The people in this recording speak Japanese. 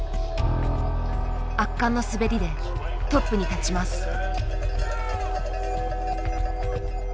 圧巻の滑りでトップに立ちます。